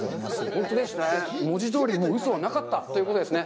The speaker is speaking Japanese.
本当ですね、文字どおりうそはなかったということですね。